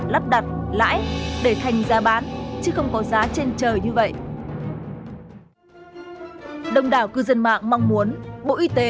lắp đặt lãi để thành giá bán chứ không có giá trên trời như vậy đông đảo cư dân mạng mong muốn bộ y tế